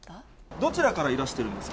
どちらからいらしてるんですか。